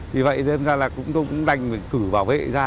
vì vậy nên là cũng đành cử bảo vệ ra